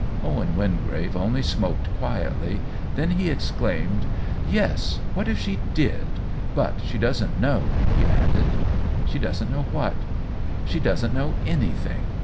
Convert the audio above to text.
Owen Wingrave only smoked quietly ; then he exclaimed :" Yes — what if she did ? But she doesn't know," he added. " She doesn't know what ?"" She doesn't know anything